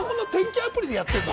アプリでやってるの。